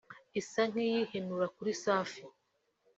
” isa nk’iyihenura kuri Safi